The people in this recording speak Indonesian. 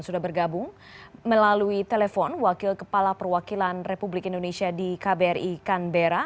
sudah bergabung melalui telepon wakil kepala perwakilan republik indonesia di kbri kanbera